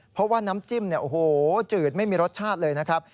เพราะว่าน้ำจิ้มจืดไม่มีรสชาติเลยนะครับ